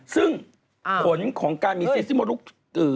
ซึ่งผลของการมีซีสที่มดลูก